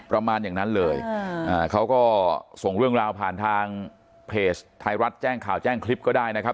ประมาณอย่างนั้นเลยเขาก็ส่งเรื่องราวผ่านทางเพจไทยรัฐแจ้งข่าวแจ้งคลิปก็ได้นะครับ